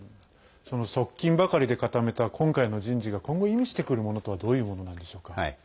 側近ばかりで固めた今回の人事が今後、意味してくるものとはどういうものなんでしょうか？